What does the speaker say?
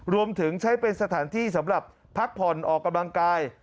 รวมถึงใช้เป็นสถานที่สำหรับพักผ่อนออกกำลังกาย